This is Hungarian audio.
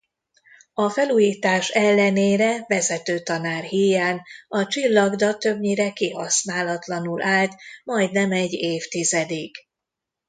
A felújítás ellenére vezető tanár híján a csillagda többnyire kihasználatlanul állt majdnem egy évtizedig.